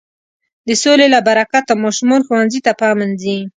د سولې له برکته ماشومان ښوونځي ته په امن ځي.